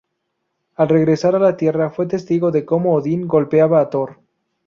Al regresar a la Tierra, fue testigo de cómo Odin golpeaba a Thor.